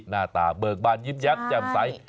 หน้าตาเบิกบานยิ้มแย้มแจ่มใส